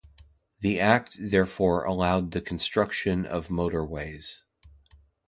The Act therefore allowed the construction of motorways.